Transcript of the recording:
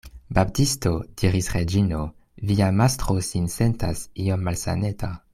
Baptisto, diris Reĝino, via mastro sin sentas iom malsaneta.